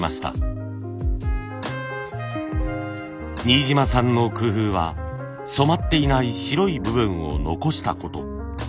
新島さんの工夫は染まっていない白い部分を残したこと。